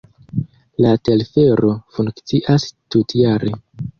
La telfero funkcias tutjare.